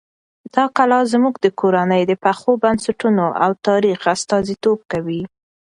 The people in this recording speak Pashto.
دا کلا زموږ د کورنۍ د پخو بنسټونو او تاریخ استازیتوب کوي.